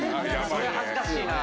それ恥ずかしいな。